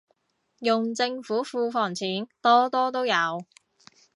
用政府庫房錢，多多都有